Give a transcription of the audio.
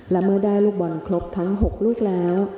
และเมื่อได้ลูกบอลครบทั้ง๖ลูกแล้ว